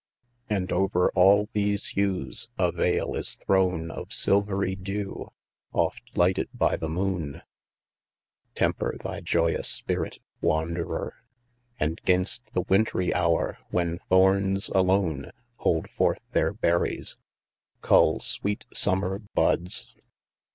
And over all these hues a veil is thrown Of silvery dew, oft lighted by the moon. 180 IN THE NEW FOREST. Temper thy joyous spirit, wanderer ! And 'gainst the wintry hour, when thorns alone Hold forth their berries, cull sweet summer buds.